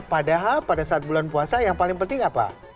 padahal pada saat bulan puasa yang paling penting apa